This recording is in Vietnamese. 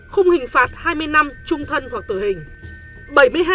khung hình phạt hai mươi năm trung thân hoặc tử hình